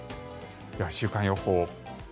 では、週間予報。